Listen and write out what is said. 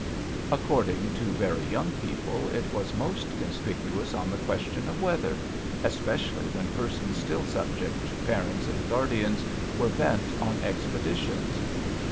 According to very young people, it was most conspicuous on the question of weather, especially when persons still subject to parents and guardians were bent on ex* peditions.